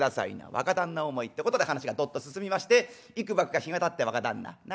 若旦那思いってことで話がどっと進みましていくばくか日がたって「若旦那」。